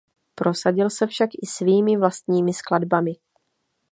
Prosadil se však i svými vlastními skladbami.